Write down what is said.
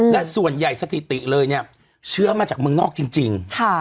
และส่วนใหญ่สถิติเลยเนี่ยเชื้อมาจากเมืองนอกจริง